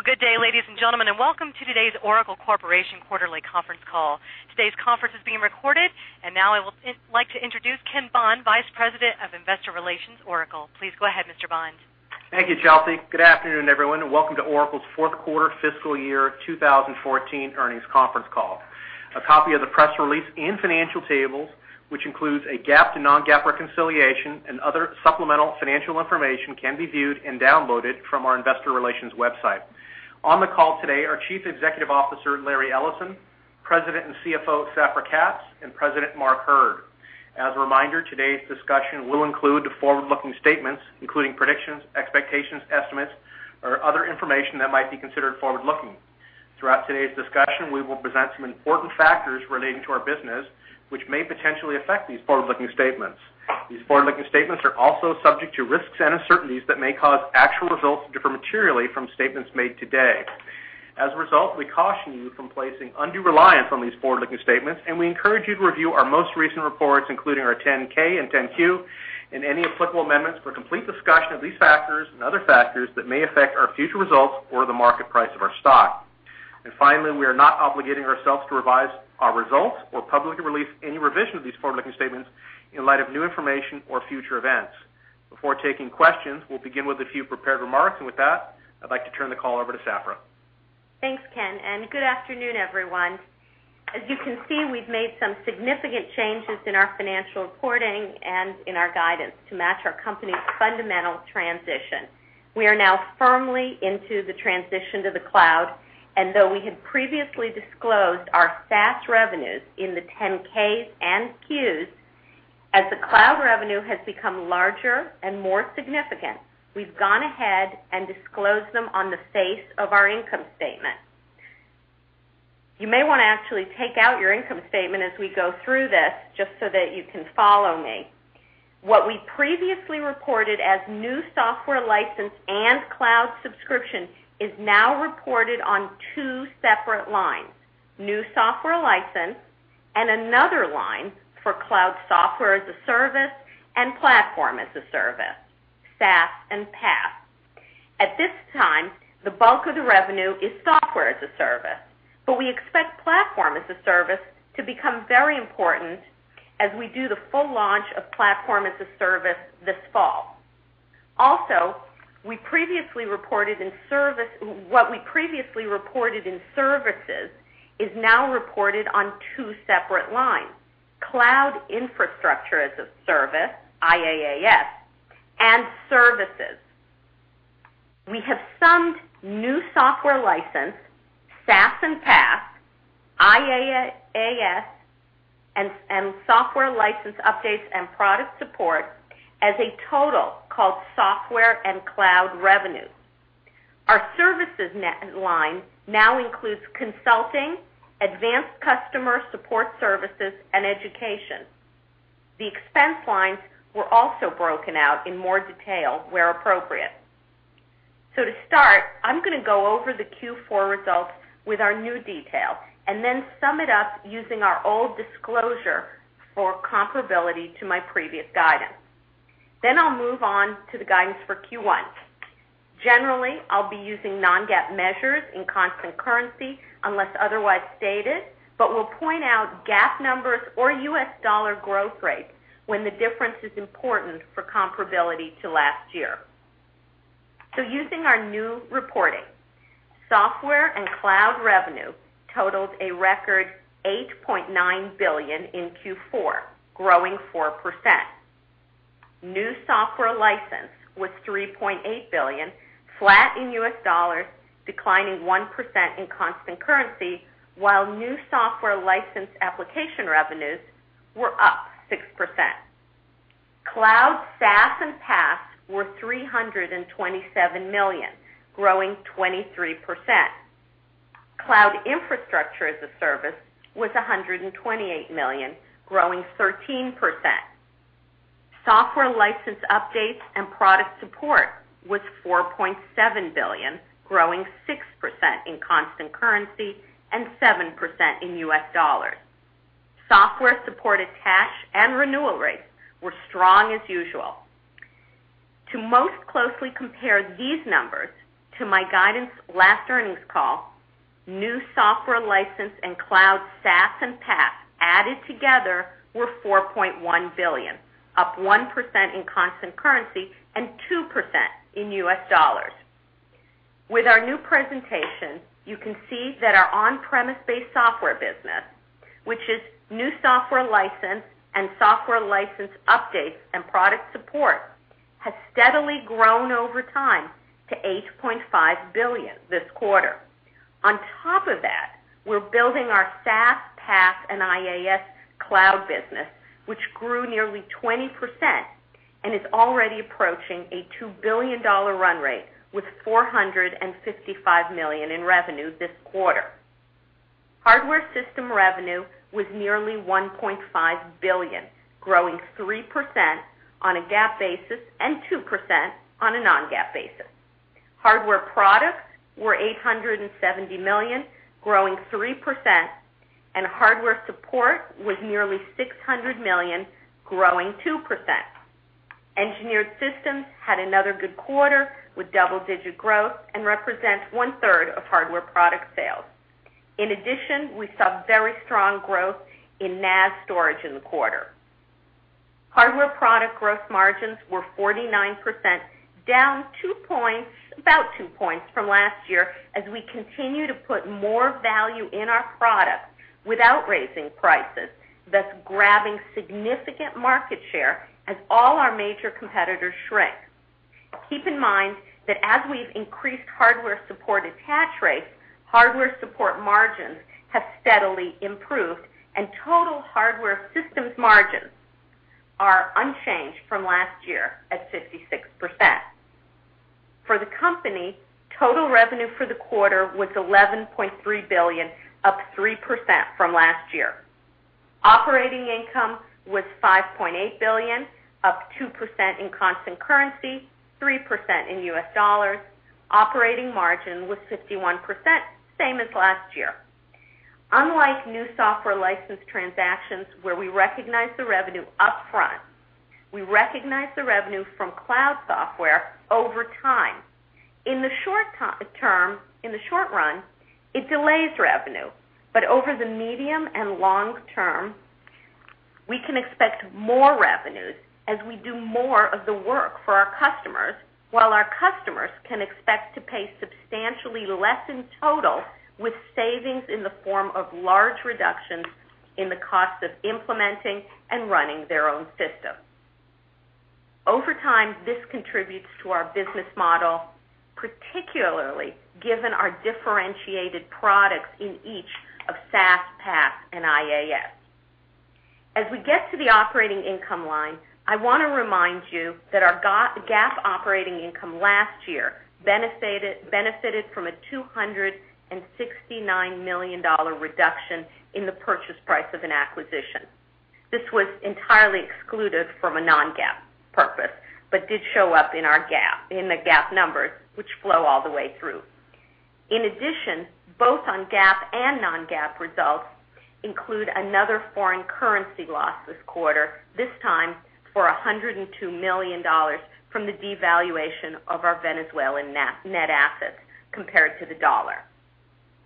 Well, good day, ladies and gentlemen, and welcome to today's Oracle Corporation quarterly conference call. Today's conference is being recorded. Now I would like to introduce Ken Bond, Vice President of Investor Relations, Oracle. Please go ahead, Mr. Bond. Thank you, Chelsea. Good afternoon, everyone, and welcome to Oracle's fourth quarter fiscal year 2014 earnings conference call. A copy of the press release and financial tables, which includes a GAAP to non-GAAP reconciliation and other supplemental financial information, can be viewed and downloaded from our investor relations website. On the call today are Chief Executive Officer, Larry Ellison, President and CFO, Safra Catz, and President Mark Hurd. As a reminder, today's discussion will include forward-looking statements, including predictions, expectations, estimates, or other information that might be considered forward-looking. Throughout today's discussion, we will present some important factors relating to our business, which may potentially affect these forward-looking statements. These forward-looking statements are also subject to risks and uncertainties that may cause actual results to differ materially from statements made today. As a result, we caution you from placing undue reliance on these forward-looking statements. We encourage you to review our most recent reports, including our 10-K and 10-Q, and any applicable amendments for a complete discussion of these factors and other factors that may affect our future results or the market price of our stock. Finally, we are not obligating ourselves to revise our results or publicly release any revision of these forward-looking statements in light of new information or future events. Before taking questions, we'll begin with a few prepared remarks. With that, I'd like to turn the call over to Safra. Thanks, Ken. Good afternoon, everyone. As you can see, we've made some significant changes in our financial reporting and in our guidance to match our company's fundamental transition. We are now firmly into the transition to the cloud, and though we had previously disclosed our SaaS revenues in the 10-Ks and Qs, as the cloud revenue has become larger and more significant, we've gone ahead and disclosed them on the face of our income statement. You may want to actually take out your income statement as we go through this just so that you can follow me. What we previously reported as new software license and cloud subscription is now reported on two separate lines, new software license and another line for cloud software as a service and platform as a service, SaaS and PaaS. At this time, the bulk of the revenue is software as a service, but we expect platform as a service to become very important as we do the full launch of platform as a service this fall. What we previously reported in services is now reported on two separate lines, cloud infrastructure as a service, IaaS, and services. We have summed new software license, SaaS and PaaS, IaaS, and software license updates and product support as a total called software and cloud revenue. Our services net line now includes consulting, advanced customer support services, and education. The expense lines were also broken out in more detail where appropriate. To start, I'm going to go over the Q4 results with our new detail and then sum it up using our old disclosure for comparability to my previous guidance. I'll move on to the guidance for Q1. Generally, I'll be using non-GAAP measures in constant currency unless otherwise stated, but we'll point out GAAP numbers or US dollar growth rates when the difference is important for comparability to last year. Using our new reporting, software and cloud revenue totaled a record $8.9 billion in Q4, growing 4%. New software license was $3.8 billion, flat in US dollars, declining 1% in constant currency, while new software license application revenues were up 6%. Cloud SaaS and PaaS were $327 million, growing 23%. Cloud infrastructure as a service was $128 million, growing 13%. Software license updates and product support was $4.7 billion, growing 6% in constant currency and 7% in US dollars. Software support attach and renewal rates were strong as usual. To most closely compare these numbers to my guidance last earnings call, new software license and cloud SaaS and PaaS added together were $4.1 billion, up 1% in constant currency and 2% in US dollars. With our new presentation, you can see that our on-premise-based software business, which is new software license and software license updates and product support, has steadily grown over time to $8.5 billion this quarter. On top of that, we're building our SaaS, PaaS, and IaaS cloud business, which grew nearly 20% and is already approaching a $2 billion run rate with $455 million in revenue this quarter. Hardware system revenue was nearly $1.5 billion, growing 3% on a GAAP basis and 2% on a non-GAAP basis. Hardware products were $870 million, growing 3%, and hardware support was nearly $600 million, growing 2%. Engineered systems had another good quarter with double-digit growth and represents one-third of hardware product sales. In addition, we saw very strong growth in NAS storage in the quarter. Hardware product growth margins were 49%, down about two points from last year as we continue to put more value in our products without raising prices, thus grabbing significant market share as all our major competitors shrink. Keep in mind that as we've increased hardware support attach rates, hardware support margins have steadily improved, and total hardware systems margins are unchanged from last year at 56%. For the company, total revenue for the quarter was $11.3 billion, up 3% from last year. Operating income was $5.8 billion, up 2% in constant currency, 3% in US dollars. Operating margin was 51%, same as last year. Unlike new software license transactions where we recognize the revenue upfront, we recognize the revenue from cloud software over time. In the short run, it delays revenue, but over the medium and long term, we can expect more revenues as we do more of the work for our customers, while our customers can expect to pay substantially less in total, with savings in the form of large reductions in the cost of implementing and running their own systems. Over time, this contributes to our business model, particularly given our differentiated products in each of SaaS, PaaS, and IaaS. As we get to the operating income line, I want to remind you that our GAAP operating income last year benefited from a $269 million reduction in the purchase price of an acquisition. This was entirely excluded from a non-GAAP purpose, but did show up in the GAAP numbers, which flow all the way through. In addition, both on GAAP and non-GAAP results include another foreign currency loss this quarter, this time for $102 million from the devaluation of our Venezuelan net assets compared to the dollar.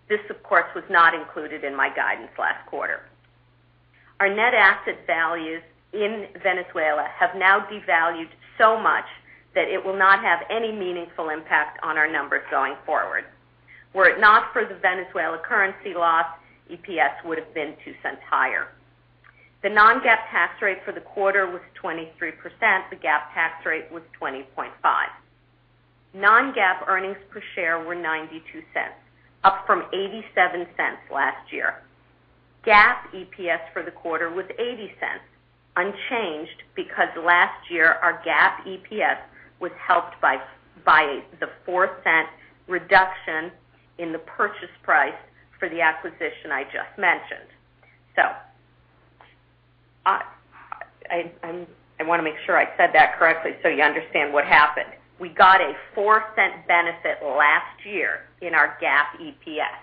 This, of course, was not included in my guidance last quarter. Our net asset values in Venezuela have now devalued so much that it will not have any meaningful impact on our numbers going forward. Were it not for the Venezuela currency loss, EPS would have been $0.02 higher. The non-GAAP tax rate for the quarter was 23%. The GAAP tax rate was 20.5%. Non-GAAP earnings per share were $0.92, up from $0.87 last year. GAAP EPS for the quarter was $0.80, unchanged because last year, our GAAP EPS was helped by the $0.04 reduction in the purchase price for the acquisition I just mentioned. I want to make sure I said that correctly so you understand what happened. We got a $0.04 benefit last year in our GAAP EPS.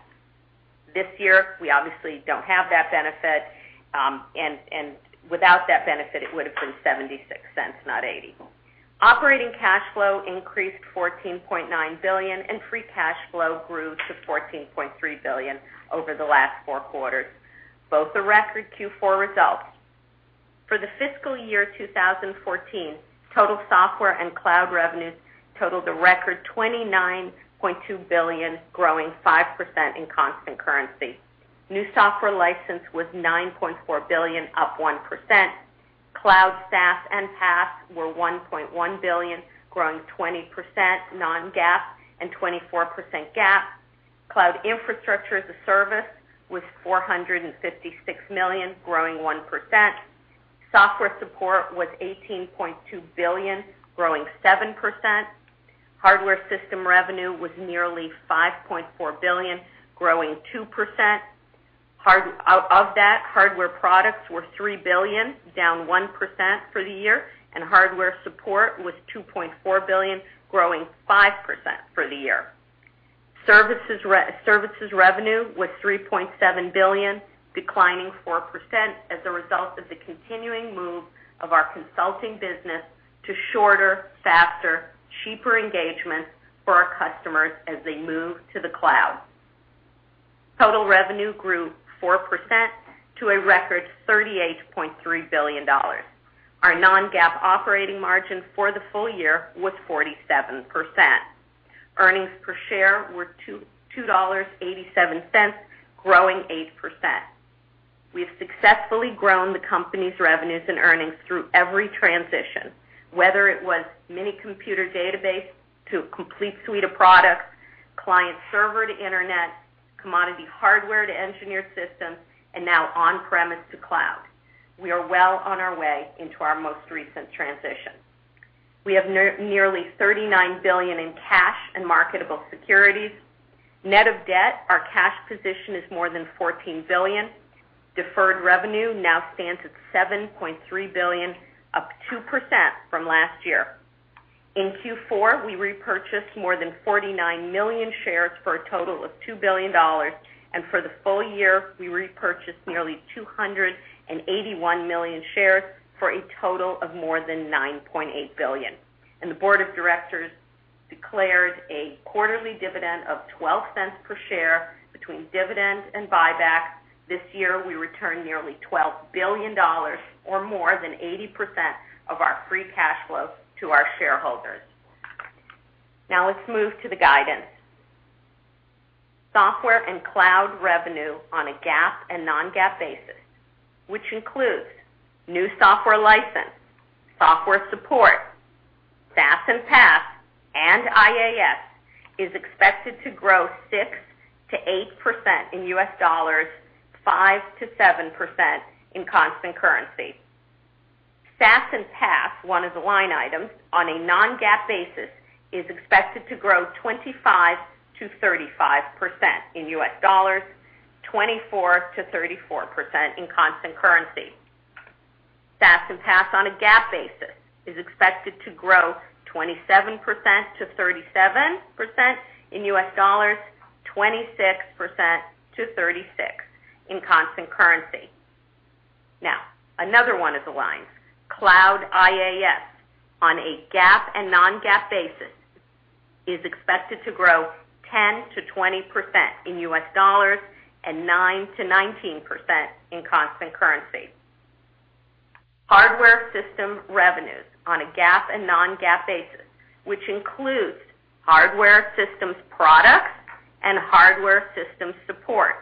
This year, we obviously don't have that benefit, and without that benefit, it would have been $0.76, not $0.80. Operating cash flow increased to $14.9 billion, and free cash flow grew to $14.3 billion over the last four quarters, both a record Q4 result. For the fiscal year 2014, total software and cloud revenues totaled a record $29.2 billion, growing 5% in constant currency. New software license was $9.4 billion, up 1%. Cloud, SaaS, and PaaS were $1.1 billion, growing 20% non-GAAP and 24% GAAP. Cloud infrastructure as a service was $456 million, growing 1%. Software support was $18.2 billion, growing 7%. Hardware system revenue was nearly $5.4 billion, growing 2%. Of that, hardware products were $3 billion, down 1% for the year, and hardware support was $2.4 billion, growing 5% for the year. Services revenue was $3.7 billion, declining 4% as a result of the continuing move of our consulting business to shorter, faster, cheaper engagements for our customers as they move to the cloud. Total revenue grew 4% to a record $38.3 billion. Our non-GAAP operating margin for the full year was 47%. Earnings per share were $2.87, growing 8%. We've successfully grown the company's revenues and earnings through every transition, whether it was mini computer database to a complete suite of products, client server to internet, commodity hardware to engineered systems, and now on-premise to cloud. We are well on our way into our most recent transition. We have nearly $39 billion in cash and marketable securities. Net of debt, our cash position is more than $14 billion. Deferred revenue now stands at $7.3 billion, up 2% from last year. In Q4, we repurchased more than 49 million shares for a total of $2 billion, for the full year, we repurchased nearly 281 million shares for a total of more than $9.8 billion. The board of directors declared a quarterly dividend of $0.12 per share. Between dividends and buybacks this year, we returned nearly $12 billion or more than 80% of our free cash flow to our shareholders. Let's move to the guidance. Software and cloud revenue on a GAAP and non-GAAP basis, which includes new software license, software support, SaaS and PaaS and IaaS, is expected to grow 6%-8% in U.S. dollars, 5%-7% in constant currency. SaaS and PaaS, one of the line items on a non-GAAP basis, is expected to grow 25%-35% in U.S. dollars, 24%-34% in constant currency. SaaS and PaaS on a GAAP basis is expected to grow 27%-37% in U.S. dollars, 26%-36% in constant currency. Another one of the lines, cloud IaaS, on a GAAP and non-GAAP basis, is expected to grow 10%-20% in U.S. dollars and 9%-19% in constant currency. Hardware system revenues on a GAAP and non-GAAP basis, which includes hardware systems products and hardware systems support,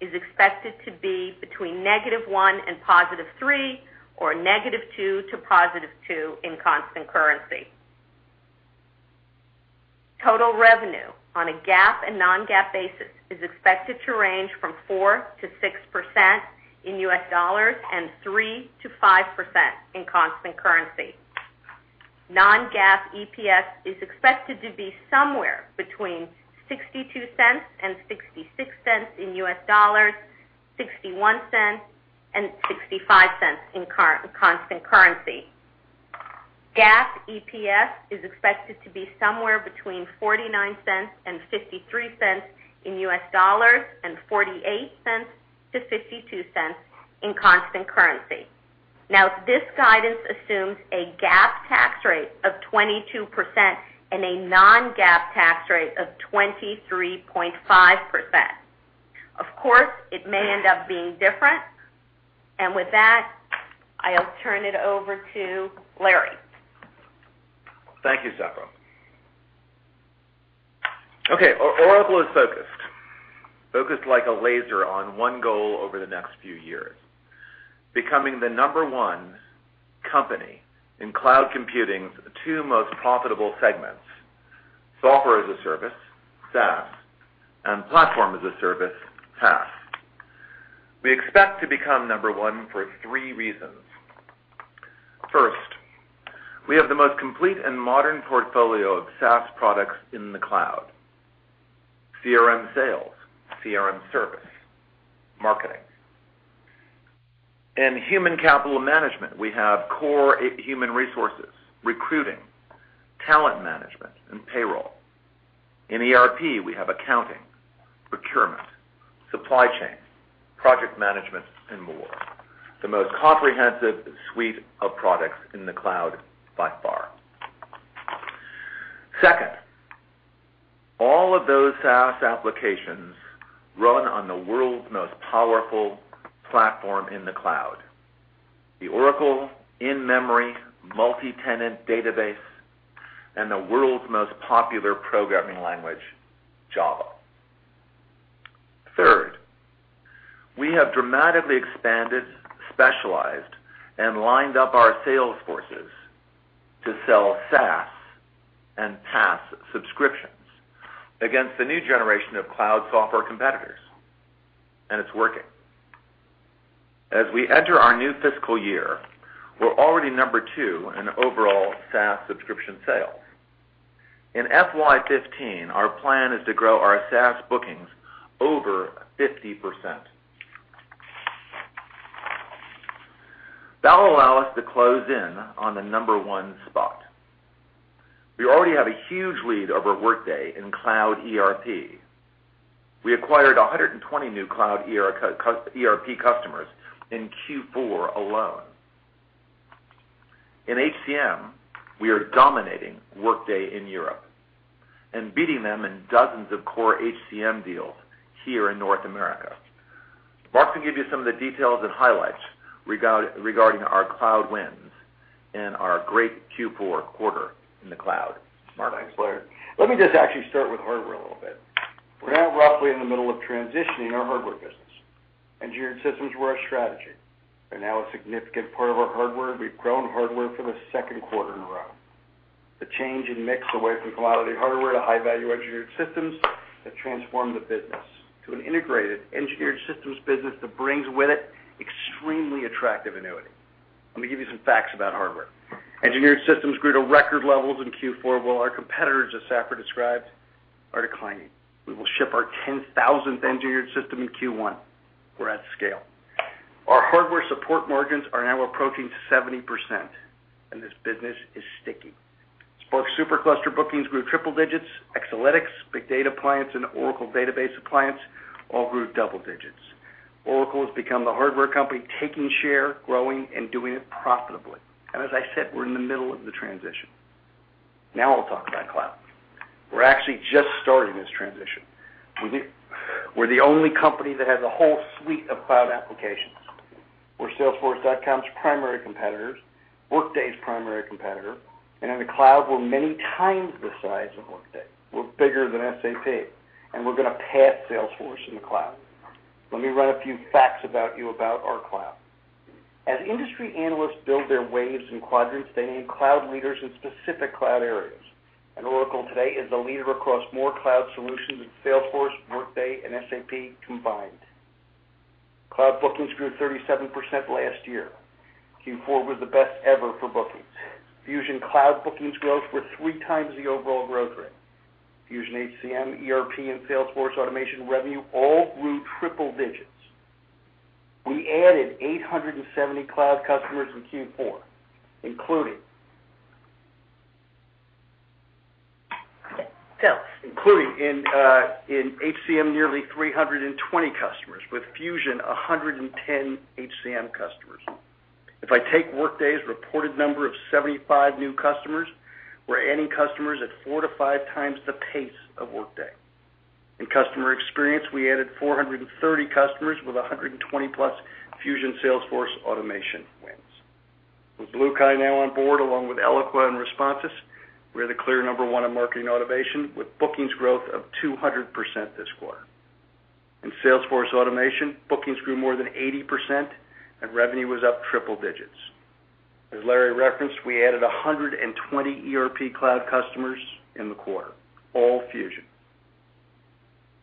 is expected to be between -1% and +3%, or -2% to +2% in constant currency. Total revenue on a GAAP and non-GAAP basis is expected to range from 4%-6% in U.S. dollars and 3%-5% in constant currency. Non-GAAP EPS is expected to be somewhere between $0.62 and $0.66 in U.S. dollars, $0.61 and $0.65 in constant currency. GAAP EPS is expected to be somewhere between $0.49 and $0.53 in U.S. dollars and $0.48 to $0.52 in constant currency. This guidance assumes a GAAP tax rate of 22% and a non-GAAP tax rate of 23.5%. Of course, it may end up being different. With that, I'll turn it over to Larry. Thank you, Safra. Oracle is focused. Focused like a laser on one goal over the next few years, becoming the number one company in cloud computing's two most profitable segments, Software as a Service, SaaS, and Platform as a Service, PaaS. We expect to become number one for three reasons. First, we have the most complete and modern portfolio of SaaS products in the cloud. CRM Sales, CRM Service, Marketing. In Human Capital Management, we have Core Human Resources, Recruiting, Talent Management, and Payroll. In ERP, we have Accounting, Procurement, Supply Chain, Project Management, and more. The most comprehensive suite of products in the cloud by far. Second, all of those SaaS applications run on the world's most powerful platform in the cloud, the Oracle in-memory multitenant database and the world's most popular programming language, Java. Third, we have dramatically expanded, specialized, and lined up our sales forces to sell SaaS and PaaS subscriptions against the new generation of cloud software competitors. It's working. As we enter our new fiscal year, we're already number two in overall SaaS subscription sales. In FY 2015, our plan is to grow our SaaS bookings over 50%. That will allow us to close in on the number one spot. We already have a huge lead over Workday in cloud ERP. We acquired 120 new cloud ERP customers in Q4 alone. In HCM, we are dominating Workday in Europe and beating them in dozens of core HCM deals here in North America. Mark can give you some of the details and highlights regarding our cloud wins and our great Q4 quarter in the cloud. Mark. Thanks, Larry. Let me just actually start with hardware a little bit. We're now roughly in the middle of transitioning our hardware business. Engineered systems were a strategy. They're now a significant part of our hardware. We've grown hardware for the second quarter in a row. The change in mix away from commodity hardware to high-value engineered systems have transformed the business to an integrated engineered systems business that brings with it extremely attractive annuity. Let me give you some facts about hardware. Engineered systems grew to record levels in Q4 while our competitors, as Safra described, are declining. We will ship our 10,000th engineered system in Q1. We're at scale. Hardware support margins are now approaching 70%, and this business is sticky. SPARC supercluster bookings grew triple digits. Exalytics, Oracle Big Data Appliance, and Oracle Database Appliance all grew double digits. Oracle has become the hardware company taking share, growing, and doing it profitably. As I said, we're in the middle of the transition. Now I'll talk about cloud. We're actually just starting this transition. We're the only company that has a whole suite of cloud applications. We're salesforce.com's primary competitors, Workday's primary competitor, and in the cloud, we're many times the size of Workday. We're bigger than SAP, and we're going to pass Salesforce in the cloud. Let me run a few facts about you about our cloud. As industry analysts build their waves and quadrants, they name cloud leaders in specific cloud areas. Oracle today is the leader across more cloud solutions than Salesforce, Workday, and SAP combined. Cloud bookings grew 37% last year. Q4 was the best ever for bookings. Fusion Cloud bookings growth were three times the overall growth rate. Oracle Fusion Cloud HCM, ERP, and Oracle Fusion Cloud CRM automation revenue all grew triple digits. We added 870 cloud customers in Q4, including. Okay. Including in HCM, nearly 320 customers, with Fusion, 110 HCM customers. If I take Workday's reported number of 75 new customers, we're adding customers at four to five times the pace of Workday. In customer experience, we added 430 customers with 120-plus Fusion Salesforce automation wins. With BlueKai now on board, along with Eloqua and Responsys, we're the clear number one in marketing automation, with bookings growth of 200% this quarter. In Salesforce automation, bookings grew more than 80%, and revenue was up triple digits. As Larry referenced, we added 120 ERP cloud customers in the quarter, all Fusion.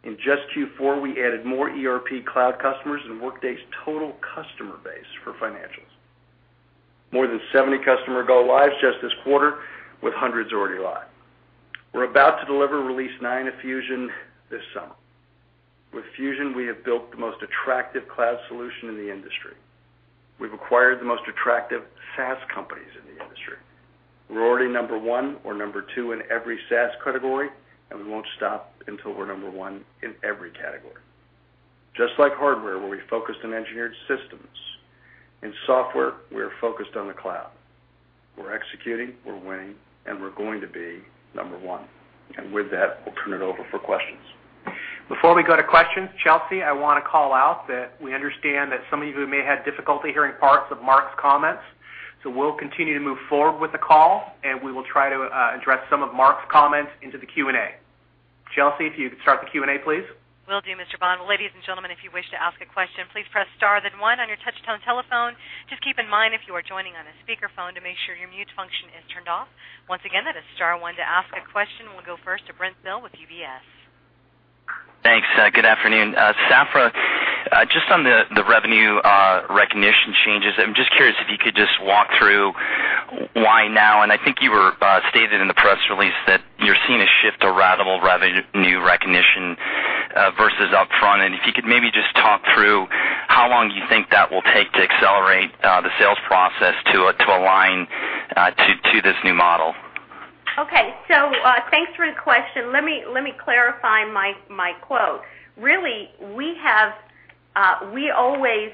In just Q4, we added more ERP cloud customers than Workday's total customer base for financials. More than 70 customer go lives just this quarter, with hundreds already live. We're about to deliver release nine of Fusion this summer. With Fusion, we have built the most attractive cloud solution in the industry. We've acquired the most attractive SaaS companies in the industry. We're already number one or number two in every SaaS category, and we won't stop until we're number one in every category. Just like hardware, where we focused on engineered systems, in software, we are focused on the cloud. We're executing, we're winning, and we're going to be number one. With that, we'll turn it over for questions. Before we go to questions, Chelsea, I want to call out that we understand that some of you may have difficulty hearing parts of Mark's comments, we'll continue to move forward with the call, we will try to address some of Mark's comments into the Q&A. Chelsea, if you could start the Q&A, please. Will do, Mr. Bond. Ladies and gentlemen, if you wish to ask a question, please press star then one on your touch-tone telephone. Just keep in mind, if you are joining on a speakerphone, to make sure your mute function is turned off. Once again, that is star one to ask a question. We'll go first to Brent Thill with UBS. Thanks. Good afternoon. Safra, just on the revenue recognition changes, I'm just curious if you could just walk through why now. I think you stated in the press release that you're seeing a shift to ratable revenue recognition versus upfront. If you could maybe just talk through how long you think that will take to accelerate the sales process to align to this new model. Okay. Thanks for the question. Let me clarify my quote. Really, we always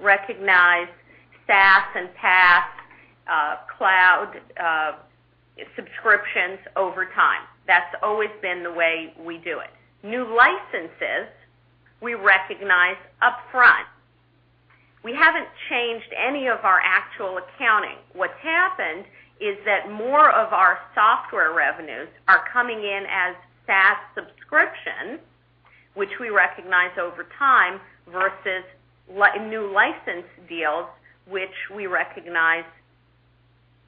recognize SaaS and PaaS cloud subscriptions over time. That's always been the way we do it. New licenses, we recognize upfront. We haven't changed any of our actual accounting. What's happened is that more of our software revenues are coming in as SaaS subscriptions, which we recognize over time, versus new license deals, which we recognize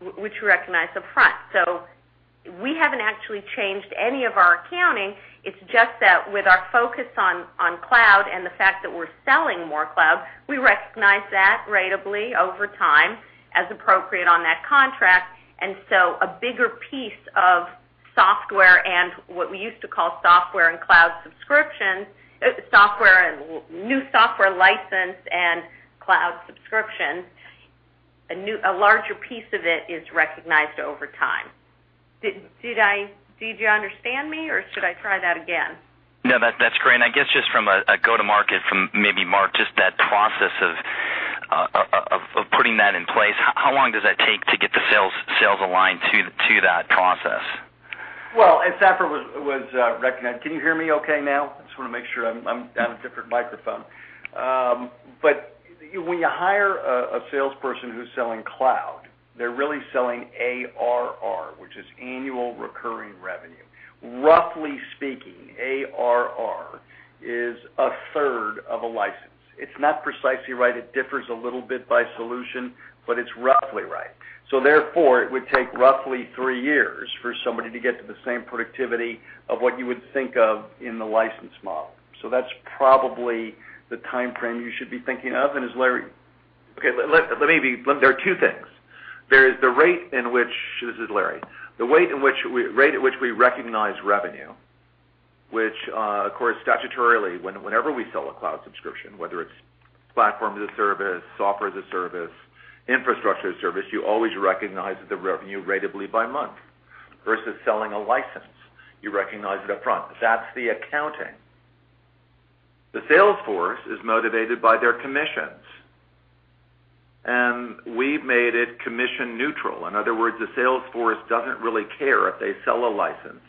upfront. We haven't actually changed any of our accounting. It's just that with our focus on cloud and the fact that we're selling more cloud, we recognize that ratably over time as appropriate on that contract. A bigger piece of software and what we used to call software and cloud subscription, new software license and cloud subscriptions, a larger piece of it is recognized over time. Did you understand me, or should I try that again? No, that's great. I guess just from a go-to-market from maybe Mark, just that process of putting that in place, how long does that take to get the sales aligned to that process? Well, as Safra was recognizing. Can you hear me okay now? I just want to make sure. I'm on a different microphone. When you hire a salesperson who's selling cloud, they're really selling ARR, which is annual recurring revenue. Roughly speaking, ARR is a third of a license. It's not precisely right. It differs a little bit by solution, but it's roughly right. Therefore, it would take roughly three years for somebody to get to the same productivity of what you would think of in the license model. As Larry Okay. There are two things. There is the rate in which, this is Larry, the rate at which we recognize revenue Which, of course, statutorily, whenever we sell a cloud subscription, whether it's platform as a service, software as a service, infrastructure as a service, you always recognize the revenue ratably by month. Versus selling a license, you recognize it up front. That's the accounting. The sales force is motivated by their commissions, and we've made it commission neutral. In other words, the sales force doesn't really care if they sell a license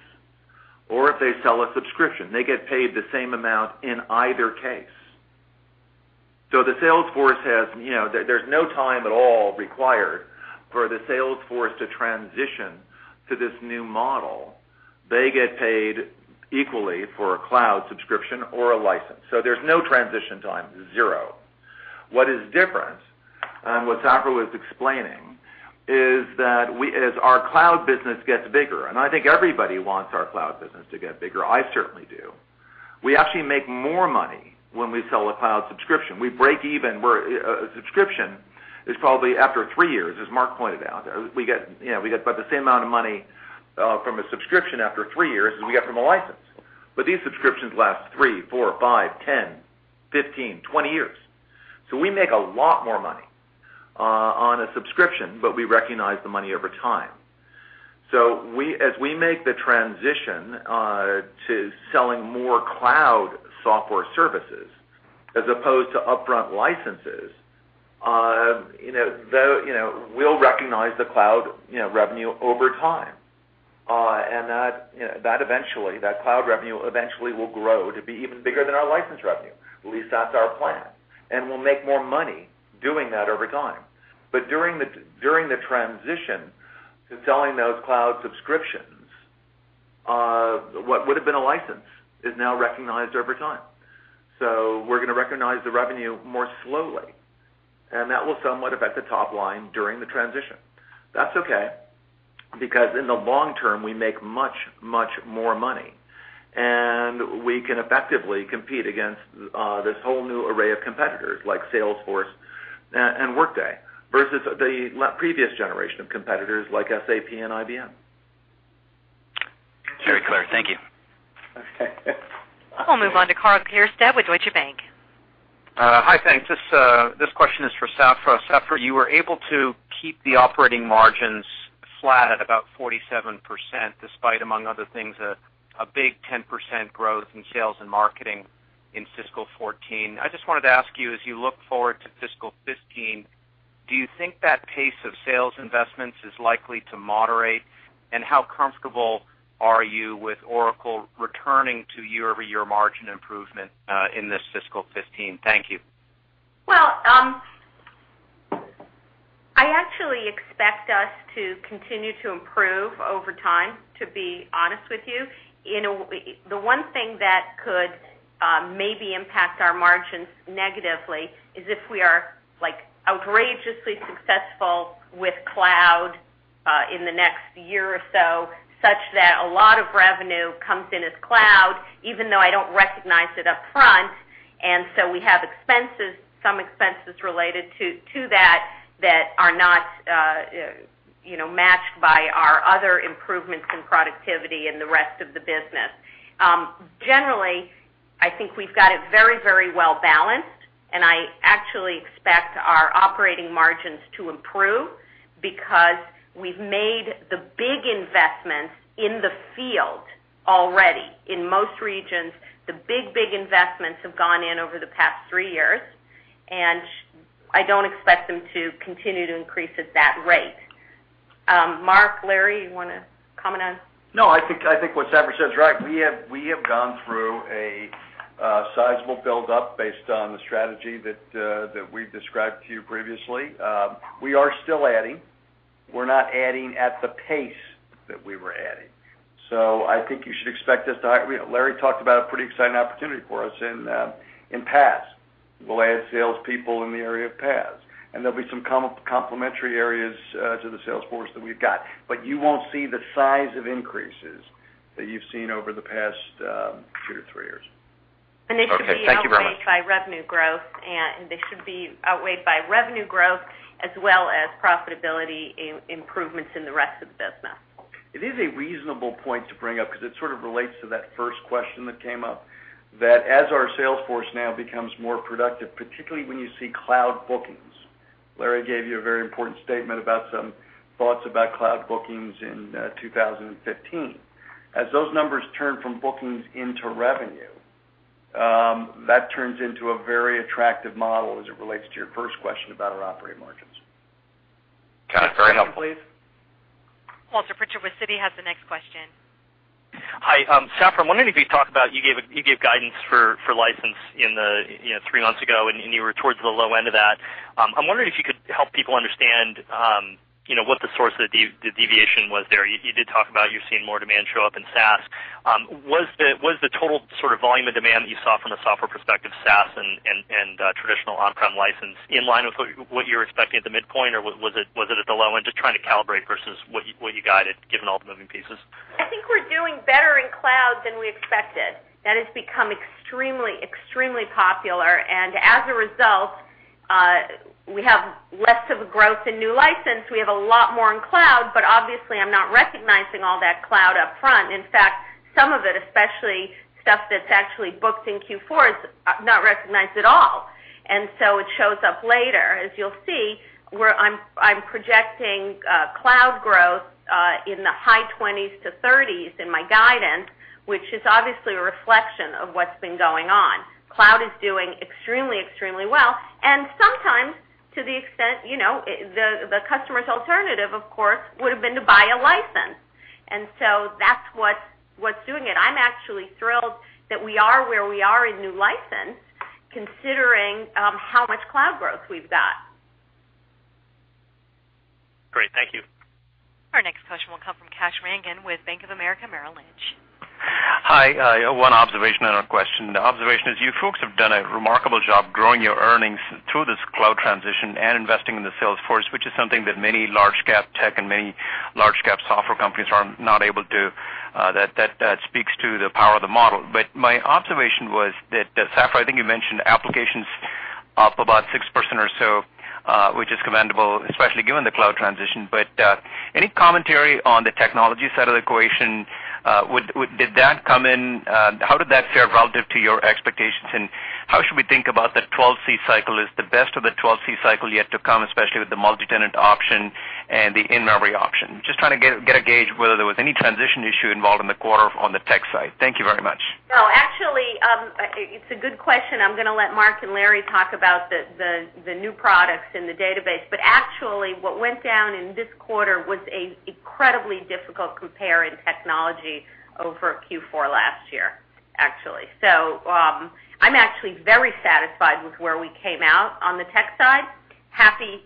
or if they sell a subscription. They get paid the same amount in either case. There's no time at all required for the sales force to transition to this new model. They get paid equally for a cloud subscription or a license. There's no transition time, zero. What is different, and what Safra was explaining, is as our cloud business gets bigger, and I think everybody wants our cloud business to get bigger, I certainly do, we actually make more money when we sell a cloud subscription. We break even where a subscription is probably after three years, as Mark pointed out. We get about the same amount of money from a subscription after three years as we get from a license. These subscriptions last three, four, five, 10, 15, 20 years. We make a lot more money on a subscription, but we recognize the money over time. As we make the transition to selling more cloud software services as opposed to upfront licenses, we'll recognize the cloud revenue over time. That cloud revenue eventually will grow to be even bigger than our license revenue. At least that's our plan, we'll make more money doing that over time. During the transition to selling those cloud subscriptions, what would've been a license is now recognized over time. We're going to recognize the revenue more slowly, and that will somewhat affect the top line during the transition. That's okay, because in the long term, we make much, much more money, and we can effectively compete against this whole new array of competitors like Salesforce and Workday versus the previous generation of competitors like SAP and IBM. Very clear. Thank you. We'll move on to Karl Keirstead with Deutsche Bank. Hi, thanks. This question is for Safra. Safra, you were able to keep the operating margins flat at about 47%, despite, among other things, a big 10% growth in sales and marketing in fiscal 2014. I just wanted to ask you, as you look forward to fiscal 2015, do you think that pace of sales investments is likely to moderate? How comfortable are you with Oracle returning to year-over-year margin improvement in this fiscal 2015? Thank you. Well, I actually expect us to continue to improve over time, to be honest with you. The one thing that could maybe impact our margins negatively is if we are outrageously successful with cloud in the next year or so, such that a lot of revenue comes in as cloud, even though I don't recognize it up front. We have some expenses related to that that are not matched by our other improvements in productivity in the rest of the business. Generally, I think we've got it very well balanced, and I actually expect our operating margins to improve because we've made the big investments in the field already. In most regions, the big investments have gone in over the past three years, and I don't expect them to continue to increase at that rate. Mark, Larry, you want to comment on? No, I think what Safra says is right. We have gone through a sizable buildup based on the strategy that we've described to you previously. We are still adding. We're not adding at the pace that we were adding. I think you should expect us to Larry talked about a pretty exciting opportunity for us in PaaS. We'll add salespeople in the area of PaaS, and there'll be some complementary areas to the sales force that we've got. You won't see the size of increases that you've seen over the past two to three years. They should be Okay. Thank you very much. Outweighed by revenue growth, as well as profitability improvements in the rest of the business. It is a reasonable point to bring up because it sort of relates to that first question that came up, that as our sales force now becomes more productive, particularly when you see cloud bookings. Larry gave you a very important statement about some thoughts about cloud bookings in 2015. As those numbers turn from bookings into revenue, that turns into a very attractive model as it relates to your first question about our operating margins. Got it. Very helpful. Next question, please. Walter Pritchard with Citi has the next question. Hi. Safra, you gave guidance for license three months ago, and you were towards the low end of that. I'm wondering if you could help people understand what the source of the deviation was there. You did talk about you've seen more demand show up in SaaS. Was the total sort of volume of demand that you saw from a software perspective, SaaS and traditional on-prem license, in line with what you were expecting at the midpoint, or was it at the low end? Just trying to calibrate versus what you guided, given all the moving pieces. I think we're doing better in cloud than we expected. That has become extremely popular, and as a result We have less of a growth in new license. We have a lot more in cloud, but obviously I'm not recognizing all that cloud up front. In fact, some of it, especially stuff that's actually booked in Q4, is not recognized at all. It shows up later, as you'll see, where I'm projecting cloud growth in the high 20%-30% in my guidance, which is obviously a reflection of what's been going on. Cloud is doing extremely well, and sometimes to the extent, the customer's alternative, of course, would've been to buy a license. That's what's doing it. I'm actually thrilled that we are where we are in new license, considering how much cloud growth we've got. Great. Thank you. Our next question will come from Kash Rangan with Bank of America Merrill Lynch. Hi. One observation and a question. The observation is you folks have done a remarkable job growing your earnings through this cloud transition and investing in the sales force, which is something that many large-cap tech and many large-cap software companies are not able to, that speaks to the power of the model. My observation was that, Safra, I think you mentioned applications up about 6% or so, which is commendable, especially given the cloud transition. Any commentary on the technology side of the equation? How did that fare relative to your expectations, and how should we think about the 12c cycle? Is the best of the 12c cycle yet to come, especially with the multitenant option and the in-memory option? Just trying to get a gauge whether there was any transition issue involved in the quarter on the tech side. Thank you very much. No, actually, it's a good question. I'm going to let Mark and Larry talk about the new products in the database. Actually, what went down in this quarter was an incredibly difficult compare in technology over Q4 last year, actually. I'm actually very satisfied with where we came out on the tech side. Happy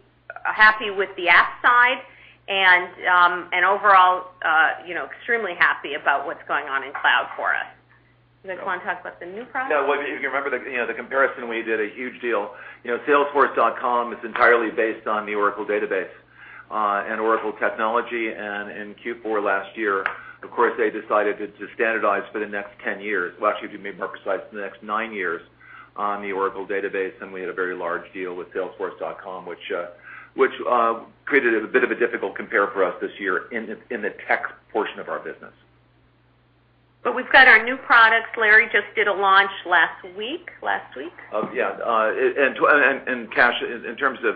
with the app side, and overall extremely happy about what's going on in cloud for us. You guys want to talk about the new product? No. Well, you can remember the comparison, we did a huge deal. salesforce.com is entirely based on the Oracle database, and Oracle technology. In Q4 last year, of course, they decided to standardize for the next 10 years. Well, actually, to be more precise, the next nine years on the Oracle database, and we had a very large deal with salesforce.com, which created a bit of a difficult compare for us this year in the tech portion of our business. We've got our new products. Larry just did a launch last week. Oh, yeah. Kash, in terms of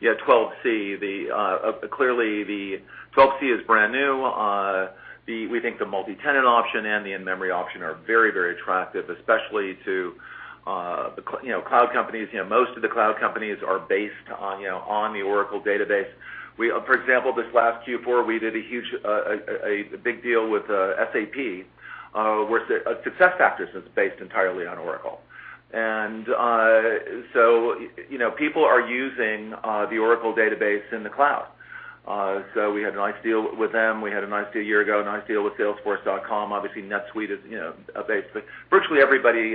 12c, clearly the 12c is brand new. We think the multitenant option and the in-memory option are very attractive, especially to cloud companies. Most of the cloud companies are based on the Oracle database. For example, this last Q4, we did a big deal with SAP, where SuccessFactors is based entirely on Oracle. People are using the Oracle database in the cloud. We had a nice deal with them. We had a nice deal a year ago, a nice deal with salesforce.com. Obviously, NetSuite is a base, but virtually everybody,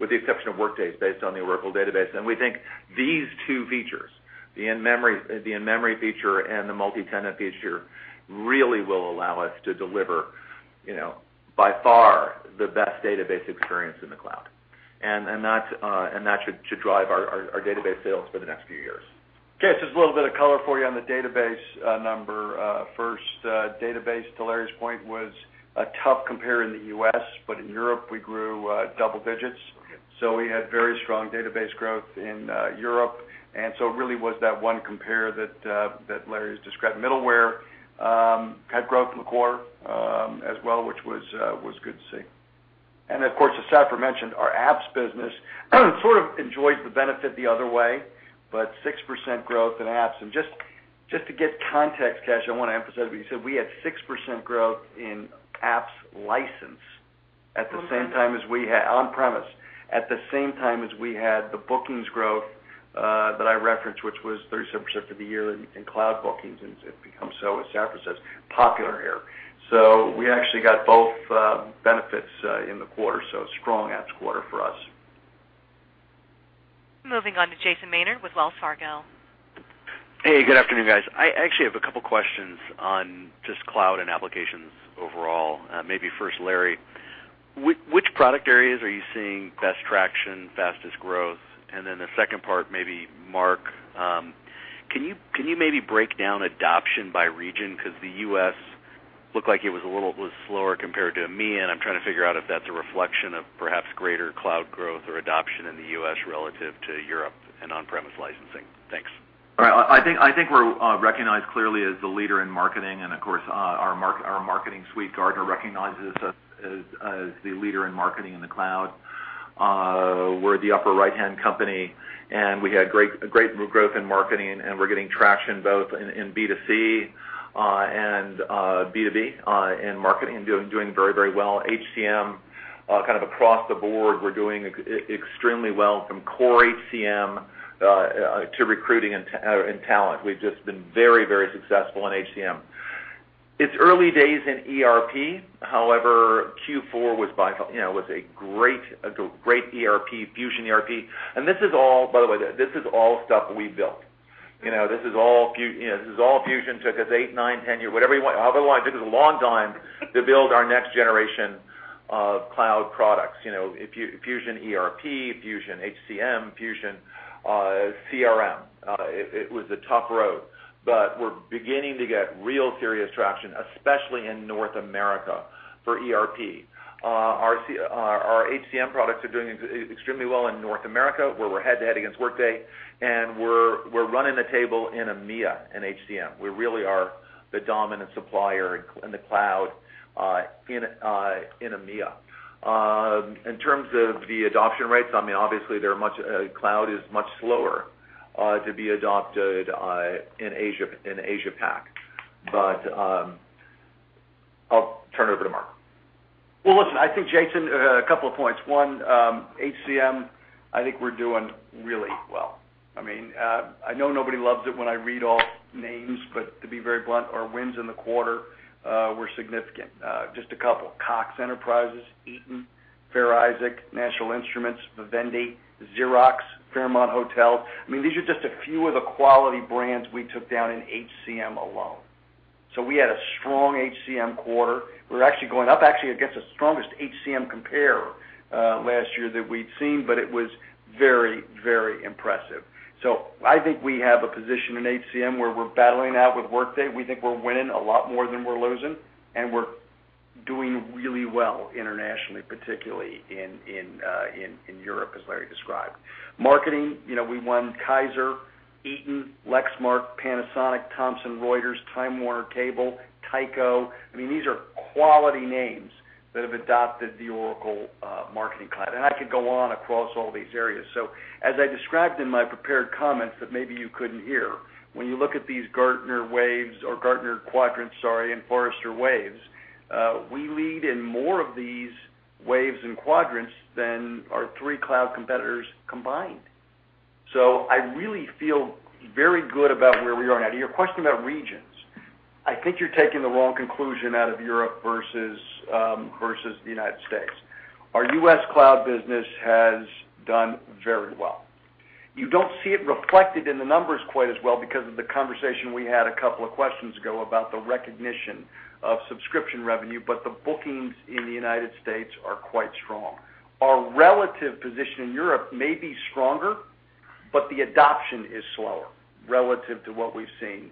with the exception of Workday, is based on the Oracle database. We think these two features, the in-memory feature and the multitenant feature, really will allow us to deliver, by far, the best database experience in the cloud. That should drive our database sales for the next few years. Okay. Just a little bit of color for you on the database number. First, database, to Larry's point, was a tough compare in the U.S., but in Europe, we grew double digits. Okay. We had very strong database growth in Europe, it really was that one compare that Larry has described. Middleware had growth in the quarter as well, which was good to see. Of course, as Safra mentioned, our apps business sort of enjoyed the benefit the other way, but 6% growth in apps. Just to give context, Kash, I want to emphasize what you said. We had 6% growth in apps license on-premise, at the same time as we had the bookings growth that I referenced, which was 37% for the year in cloud bookings. It's become so, as Safra says, popular here. We actually got both benefits in the quarter, so strong apps quarter for us. Moving on to Jason Maynard with Wells Fargo. Hey, good afternoon, guys. I actually have a couple questions on just cloud and applications overall. Larry, which product areas are you seeing best traction, fastest growth? Mark, can you maybe break down adoption by region? The U.S. looked like it was a little slower compared to EMEA, and I'm trying to figure out if that's a reflection of perhaps greater cloud growth or adoption in the U.S. relative to Europe and on-premise licensing. Thanks. All right. I think we're recognized clearly as the leader in Oracle Marketing Cloud, of course, our Oracle Marketing Cloud, Gartner recognizes us as the leader in Oracle Marketing Cloud in the cloud. We're the upper right-hand company, we had great growth in Oracle Marketing Cloud, we're getting traction both in B2C and B2B in Oracle Marketing Cloud, doing very well. HCM, kind of across the board, we're doing extremely well from core HCM to recruiting and talent. We've just been very successful in HCM. It's early days in ERP. Q4 was a great Oracle Fusion Cloud ERP. This is all stuff we built. This is all Fusion took us eight, nine, 10 years, whatever you want. It took us a long time to build our next generation of cloud products. Oracle Fusion Cloud ERP, Oracle Fusion Cloud HCM, Oracle Fusion Cloud CRM. It was a tough road, we're beginning to get real serious traction, especially in North America for ERP. Our HCM products are doing extremely well in North America, where we're head-to-head against Workday, we're running the table in EMEA and HCM. We really are the dominant supplier in the cloud in EMEA. In terms of the adoption rates, obviously, cloud is much slower to be adopted in Asia Pac. I'll turn it over to Mark. Jason, a couple of points. One, HCM, I think we're doing really well. I know nobody loves it when I read off names, to be very blunt, our wins in the quarter were significant. Just a couple, Cox Enterprises, Eaton, Fair Isaac, National Instruments, Vivendi, Xerox, Fairmont Hotels. These are just a few of the quality brands we took down in HCM alone. We had a strong HCM quarter. We were actually going up against the strongest HCM compare last year that we'd seen, it was very impressive. I think we have a position in HCM where we're battling it out with Workday. We think we're winning a lot more than we're losing, we're doing really well internationally, particularly in Europe, as Larry described. Oracle Marketing Cloud, we won Kaiser, Eaton, Lexmark, Panasonic, Thomson Reuters, Time Warner Cable, Tyco. These are quality names that have adopted the Oracle Marketing Cloud. I could go on across all these areas. As I described in my prepared comments that maybe you couldn't hear, when you look at these Gartner waves or Gartner quadrants, sorry, and Forrester waves, we lead in more of these waves and quadrants than our three cloud competitors combined. I really feel very good about where we are now. To your question about regions, I think you're taking the wrong conclusion out of Europe versus the United States. Our U.S. cloud business has done very well. You don't see it reflected in the numbers quite as well because of the conversation we had a couple of questions ago about the recognition of subscription revenue, but the bookings in the United States are quite strong. Our relative position in Europe may be stronger, but the adoption is slower relative to what we've seen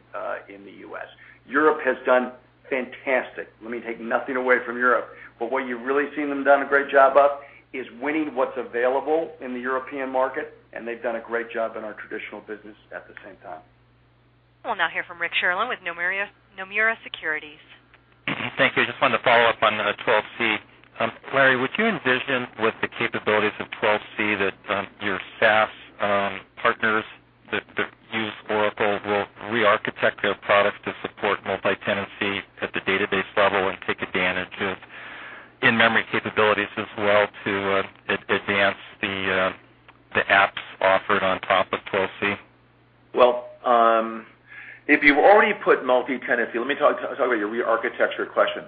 in the U.S. Europe has done fantastic. Let me take nothing away from Europe, but where you've really seen them done a great job of is winning what's available in the European market, and they've done a great job in our traditional business at the same time. We'll now hear from Rick Sherlund with Nomura Securities. Thank you. I just wanted to follow up on the 12c. Larry, would you envision with the capabilities of 12c that your SaaS partners that use Oracle will re-architect their products to support multi-tenancy at the database level and take advantage of in-memory capabilities as well to advance the apps offered on top of 12c? Well, if you've already put multitenancy. Let me talk about your re-architecture question.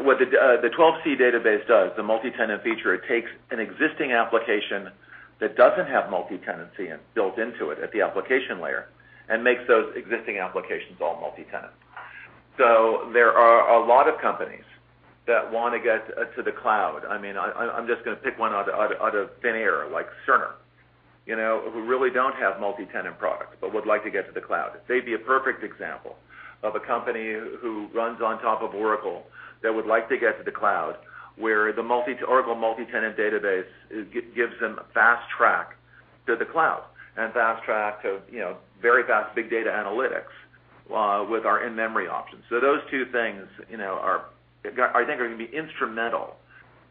What the 12c Database does, the multitenant feature, it takes an existing application that doesn't have multitenancy built into it at the application layer and makes those existing applications all multitenant. There are a lot of companies that want to get to the cloud. I'm just going to pick one out of thin air, like Cerner who really don't have multitenant products but would like to get to the cloud. They'd be a perfect example of a company who runs on top of Oracle that would like to get to the cloud, where the Oracle multitenant Database gives them a fast track to the cloud and fast track to very fast big data analytics with our in-memory options. Those two things I think are going to be instrumental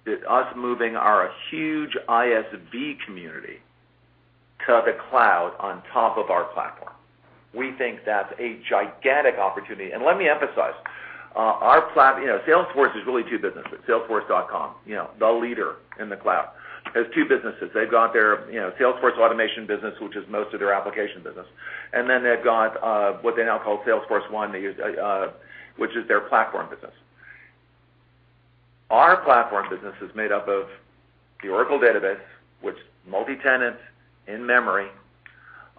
to us moving our huge ISV community to the cloud on top of our platform. We think that's a gigantic opportunity. Let me emphasize, Salesforce is really two businesses. Salesforce.com, the leader in the cloud, has two businesses. They've got their Salesforce automation business, which is most of their application business. Then they've got what they now call Salesforce1, which is their platform business. Our platform business is made up of the Oracle Database, which is multitenant, in-memory,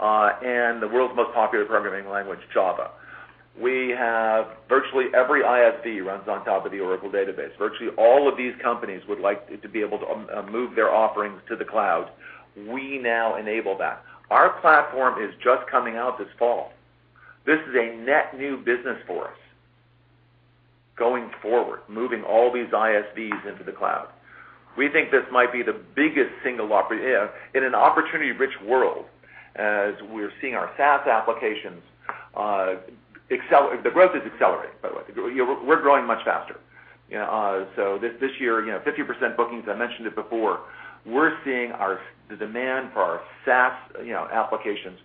and the world's most popular programming language, Java. Virtually every ISV runs on top of the Oracle Database. Virtually all of these companies would like to be able to move their offerings to the cloud. We now enable that. Our platform is just coming out this fall. This is a net new business for us going forward, moving all these ISVs into the cloud. We think this might be the biggest single opportunity in an opportunity-rich world as we're seeing our SaaS applications. The growth is accelerating, by the way. We're growing much faster. This year, 50% bookings, I mentioned it before. We're seeing the demand for our SaaS applications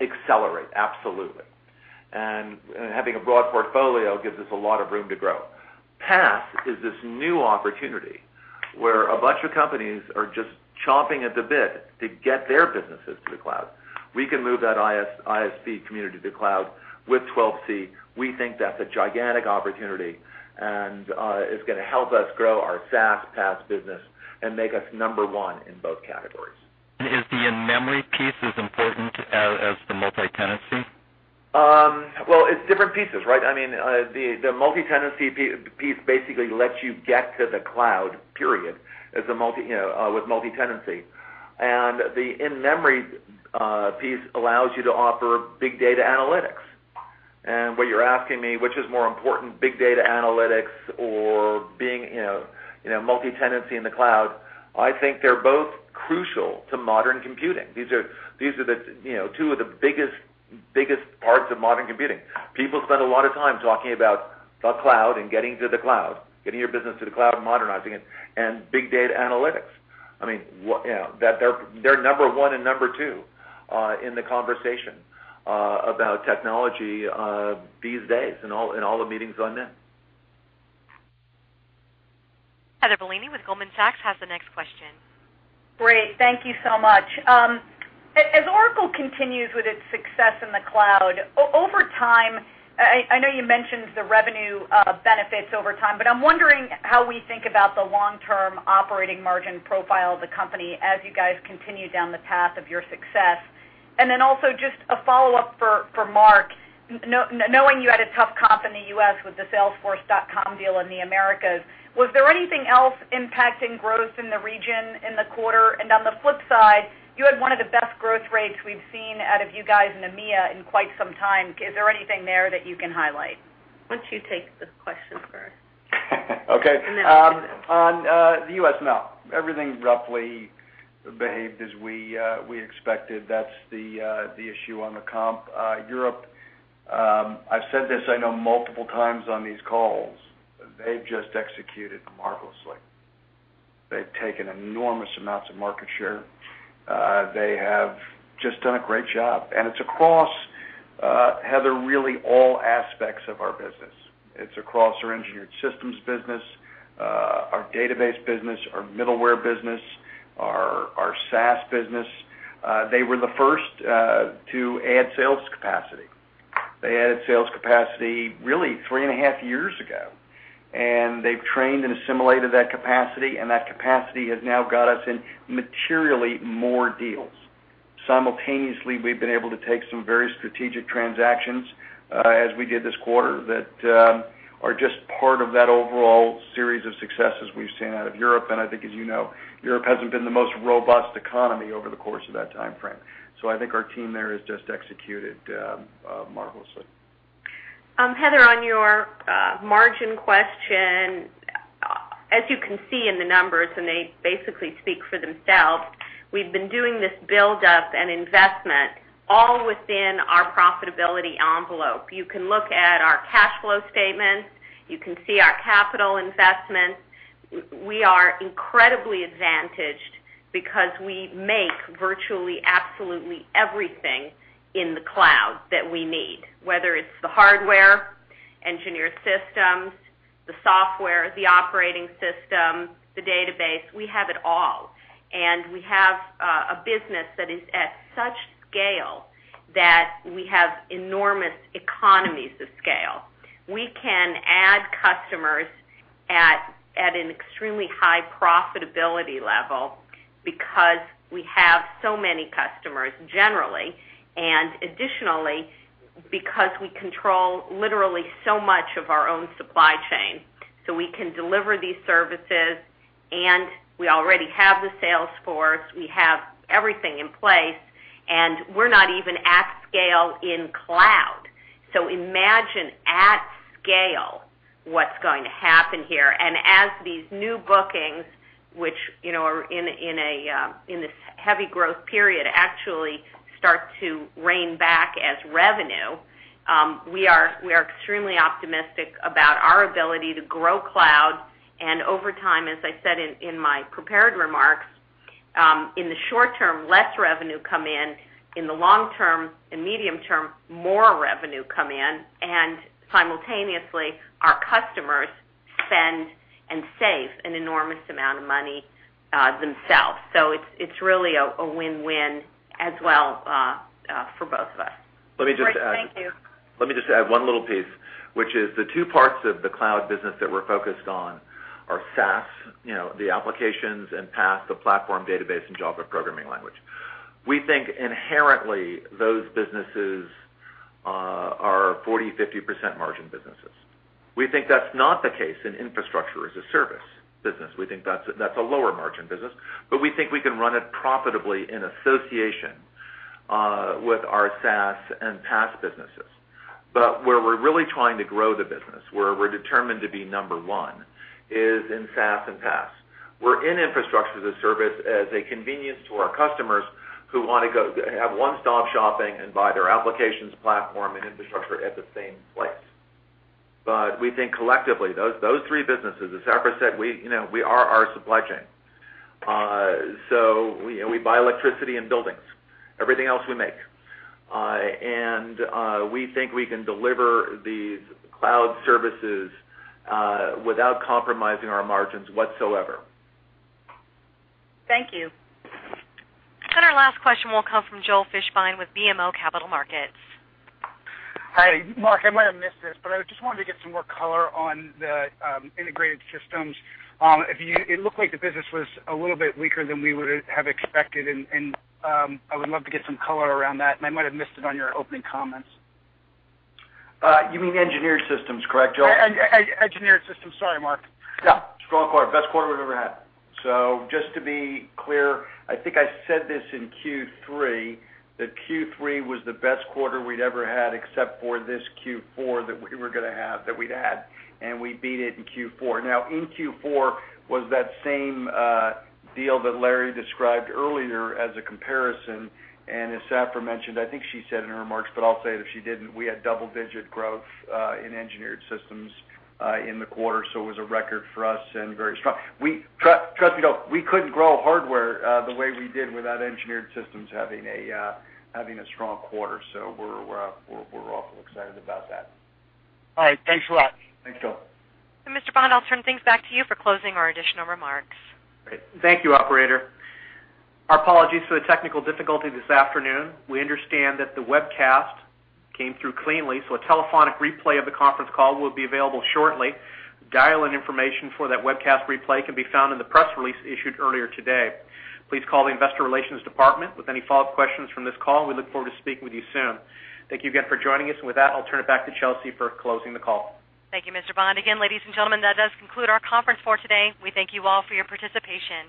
accelerate, absolutely. Having a broad portfolio gives us a lot of room to grow. PaaS is this new opportunity where a bunch of companies are just chomping at the bit to get their businesses to the cloud. We can move that ISV community to the cloud with 12c. We think that's a gigantic opportunity, and it's going to help us grow our SaaS PaaS business and make us number one in both categories. Is the in-memory piece as important as the multitenancy? Different pieces, right? The multitenant piece basically lets you get to the cloud, period, with multitenancy. The in-memory piece allows you to offer big data analytics. What you're asking me, which is more important, big data analytics or being multitenancy in the cloud? I think they're both crucial to modern computing. These are two of the biggest parts of modern computing. People spend a lot of time talking about the cloud and getting to the cloud, getting your business to the cloud and modernizing it, and big data analytics. They're number one and number two in the conversation about technology these days in all the meetings I'm in. Heather Bellini with Goldman Sachs has the next question. Great. Thank you so much. As Oracle continues with its success in the cloud, over time, I know you mentioned the revenue benefits over time, but I'm wondering how we think about the long-term operating margin profile of the company as you guys continue down the path of your success. Then also just a follow-up for Mark, knowing you had a tough comp in the U.S. with the Salesforce.com deal in the Americas, was there anything else impacting growth in the region in the quarter? On the flip side, you had one of the best growth rates we've seen out of you guys in EMEA in quite some time. Is there anything there that you can highlight? Why don't you take this question first? Okay. I'll do this. On the U.S., no. Everything roughly behaved as we expected. That's the issue on the comp. Europe, I've said this, I know multiple times on these calls, they've just executed marvelously. They've taken enormous amounts of market share. They have just done a great job. It's across, Heather, really all aspects of our business. It's across our engineered systems business, our database business, our middleware business, our SaaS business. They were the first to add sales capacity. They added sales capacity really three and a half years ago. They've trained and assimilated that capacity, and that capacity has now got us in materially more deals. Simultaneously, we've been able to take some very strategic transactions, as we did this quarter, that are just part of that overall series of successes we've seen out of Europe. I think as you know, Europe hasn't been the most robust economy over the course of that timeframe. I think our team there has just executed marvelously. Heather, on your margin question, as you can see in the numbers, and they basically speak for themselves, we've been doing this build-up and investment all within our profitability envelope. You can look at our cash flow statements. You can see our capital investments. We are incredibly advantaged because we make virtually absolutely everything in the cloud that we need, whether it's the hardware, engineered systems, the software, the operating system, the database. We have it all. We have a business that is at such scale that we have enormous economies of scale. We can add customers at an extremely high profitability level because we have so many customers generally, and additionally, because we control literally so much of our own supply chain. We can deliver these services, and we already have the sales force. We have everything in place, and we're not even at scale in cloud. Imagine at scale what's going to happen here. As these new bookings, which are in this heavy growth period, actually start to reign back as revenue, we are extremely optimistic about our ability to grow cloud, and over time, as I said in my prepared remarks, in the short term, less revenue come in. In the long term and medium term, more revenue come in, and simultaneously, our customers spend and save an enormous amount of money themselves. It's really a win-win as well for both of us. Great. Thank you. Let me just add one little piece, which is the two parts of the cloud business that we're focused on are SaaS, the applications, and PaaS, the platform, database, and Java programming language. We think inherently those businesses are 40%, 50% margin businesses. We think that's not the case in infrastructure as a service business. We think that's a lower margin business, but we think we can run it profitably in association with our SaaS and PaaS businesses. Where we're really trying to grow the business, where we're determined to be number one is in SaaS and PaaS. We're in infrastructure as a service as a convenience to our customers who want to have one-stop shopping and buy their applications, platform, and infrastructure at the same place. We think collectively, those three businesses, as Safra said, we are our supply chain. We buy electricity and buildings. Everything else we make. We think we can deliver these cloud services without compromising our margins whatsoever. Thank you. Our last question will come from Joel Fishbein with BMO Capital Markets. Hi. Mark, I might have missed this, but I just wanted to get some more color on the integrated systems. It looked like the business was a little bit weaker than we would have expected, and I would love to get some color around that. I might have missed it on your opening comments. You mean engineered systems, correct, Joel? Engineered Systems. Sorry, Mark. Yeah. Strong quarter. Best quarter we've ever had. Just to be clear, I think I said this in Q3, that Q3 was the best quarter we'd ever had except for this Q4 that we'd had, and we beat it in Q4. Now, in Q4 was that same deal that Larry described earlier as a comparison. As Safra mentioned, I think she said in her remarks, but I'll say it if she didn't, we had double-digit growth in Engineered Systems in the quarter. It was a record for us and very strong. Trust me, Joel, we couldn't grow hardware the way we did without Engineered Systems having a strong quarter. We're awful excited about that. All right. Thanks a lot. Thanks, Joel. Mr. Bond, I'll turn things back to you for closing or additional remarks. Great. Thank you, operator. Our apologies for the technical difficulty this afternoon. We understand that the webcast came through cleanly. A telephonic replay of the conference call will be available shortly. Dial-in information for that webcast replay can be found in the press release issued earlier today. Please call the investor relations department with any follow-up questions from this call. We look forward to speaking with you soon. Thank you again for joining us. With that, I'll turn it back to Chelsea for closing the call. Thank you, Mr. Bond. Again, ladies and gentlemen, that does conclude our conference for today. We thank you all for your participation.